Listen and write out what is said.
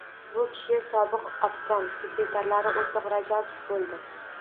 Bu kishi — sobiq obkom sekretari o‘rtoq Rajabov bo‘ldi.